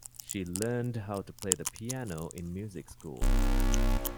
She learned how to play the piano in music school.